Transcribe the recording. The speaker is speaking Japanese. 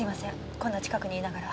こんな近くにいながら。